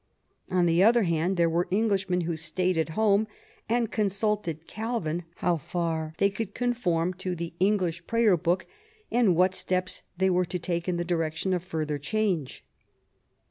On the other hand, there were Englishmen who stayed at home and consulted Calvin how far they could conform to the English THE EXCOMMUNICATION OF ELIZABETH, i2g Prayer Book, and what steps they were to take in the direction of further change.